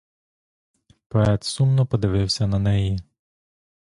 Поет сумно подивився на неї.